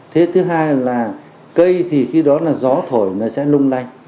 thế thứ hai là cây thì khi đó là gió thổi nó sẽ lung lay